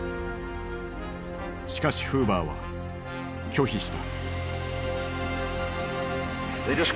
しかしフーバーは拒否した。